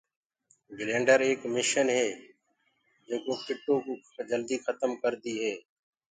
گرينڊر ايڪ مشن هي جينڪآ جنگو ڪوُ جلدي کتم ڪردي هي۔